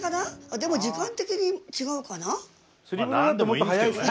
でも時間的に違うかな？